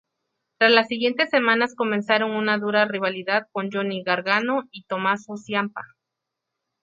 Tras las siguientes semanas, comenzaron una dura rivalidad con Johnny Gargano y Tommaso Ciampa.